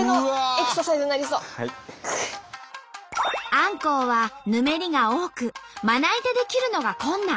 あんこうはヌメリが多くまな板で切るのが困難。